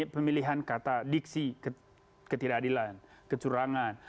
pemilihan kata diksi ketidakadilan kecurangan